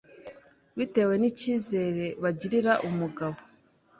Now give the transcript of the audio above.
bitewe n’icyizere bagirira umugabo